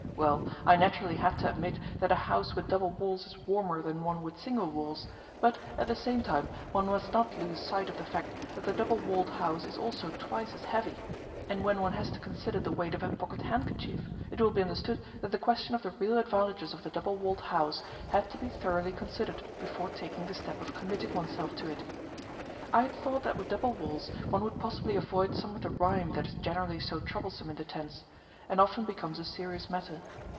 Well, I naturally had to admit that a house with double walls is warmer than one with single walls, but, at the same time, one must not lose sight of the fact that the double walled house is also twice as heavy; and when one has to consider the weight of a pocket handkerchief, it will be understood that the question of the real advantages of the double walled house had to be thoroughly considered before taking the step of committing oneself to it. I had thought that with double walls one would possibly avoid some of the rime that is generally so troublesome in the tents, and often becomes a serious matter.